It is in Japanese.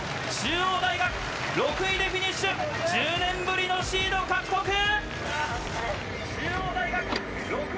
中央大学６位でフィニッシュ１０年ぶりのシード獲得！